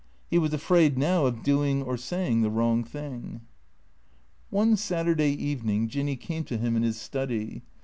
He was afraid now of doing or saying the wrong thing. One Saturday evening Jinny came to him in his study.